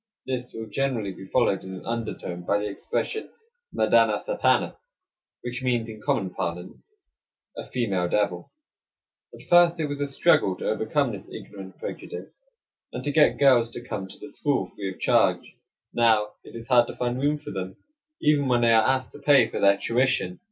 This will generally be followed in an undertone by the expression, "Madana satana," which means, in common parlance, "a female devil." At first it was a struggle to overcome this ignorant prejudice, and to get girls to come to the school free of charge; now it is hard to find room for them even when they are asked to pay for their tuition.